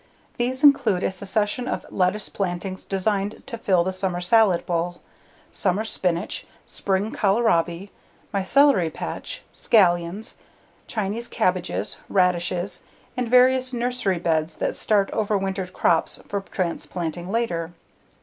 These include a succession of lettuce plantings designed to fill the summer salad bowl, summer spinach, spring kohlrabi, my celery patch, scallions, Chinese cabbages, radishes, and various nursery beds that start overwintered crops for transplanting later.